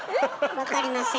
分かりません？